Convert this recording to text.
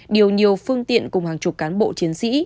điều nhiều phương tiện cùng hàng chục cán bộ chiến sĩ